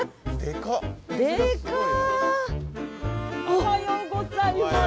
おはようございます。